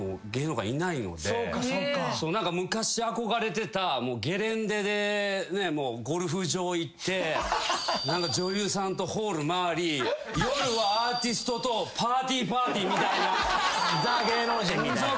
何か昔憧れてたゲレンデでゴルフ場行って女優さんとホール回り夜はアーティストとパーティーパーティーみたいな。